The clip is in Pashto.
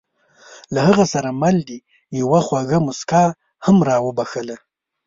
له هغه سره مل دې یوه خوږه موسکا هم را وبښله.